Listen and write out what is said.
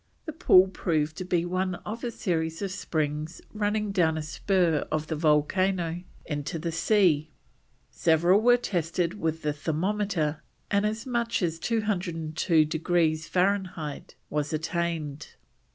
The pool proved to be one of a series of springs running down a spur of the volcano into the sea. Several were tested with the thermometer, and as much as 202 degrees Fahrenheit was attained.